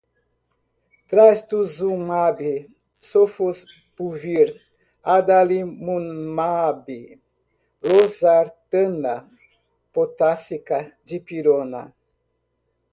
Trastuzumabe, sofosbuvir, adalimumabe, losartana potássica, dipirona